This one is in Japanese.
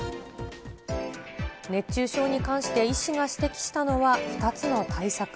熱中症に関して医師が指摘したのは、２つの対策。